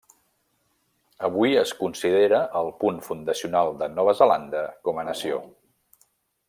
Avui es considera el punt fundacional de Nova Zelanda com a nació.